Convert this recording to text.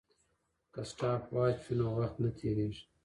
که سټاپ واچ وي نو وخت نه تېریږي.